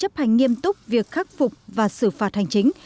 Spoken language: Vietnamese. chấp hành nghiêm túc việc khắc phục và xử phạt hành chính